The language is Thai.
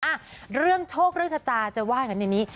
อ่ะเรื่องโชคเรื่องชะตาจะว่ากันอย่างนี้